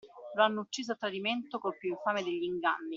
Lo hanno ucciso a tradimento col píú infame degli inganni